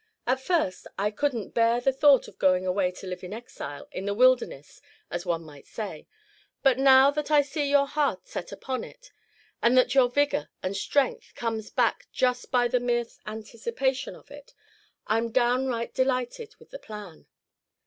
At first I could n't bear the thought of going away to live in exile, in a wilderness, as one may say; but now that I see your heart set upon it, and that your vigor and strength comes back just by the mere anticipation of it, I'm downright delighted with the plan."